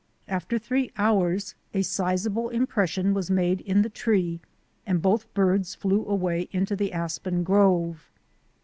After three hours a sizable impression was made in the tree and both birds flew away into the aspen grove.